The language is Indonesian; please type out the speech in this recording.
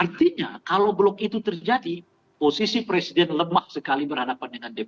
artinya kalau blok itu terjadi posisi presiden lemah sekali berhadapan dengan dpr